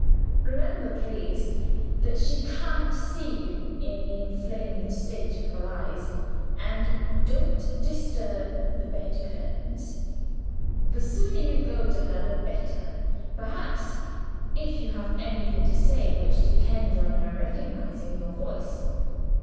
"Remember, please, that she can't see you in the inflamed state of her eyes, and don't disturb the bed curtains. The sooner you go to her the better, perhaps if you have anything to say which depends on her recognizing your voice.